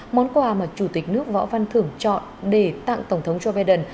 món quà mà chủ tịch nước võ văn thưởng chọn để tặng tổng thống joe biden